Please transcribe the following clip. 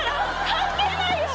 関係ないよ。